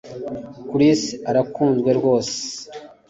Chris arakunzwe rwose